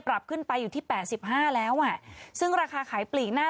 ปรับขึ้นไปอยู่ที่แปดสิบห้าแล้วอ่ะซึ่งราคาขายปลีกหน้า